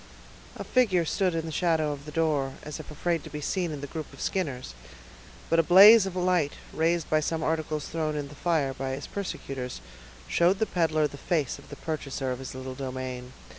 A figure stood in the shadow of the door, as if afraid to be seen in the group of Skinners; but a blaze of light, raised by some articles thrown in the fire by his persecutors, showed the peddler the face of the purchaser of his little domain.